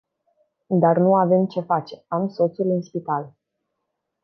Dar nu avem ce face, am soțul în spital.